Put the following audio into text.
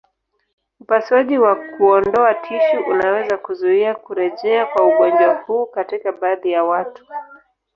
Upasuaji wa kuondoa tishu unaweza kuzuia kurejea kwa ugonjwa huu katika baadhi ya watu.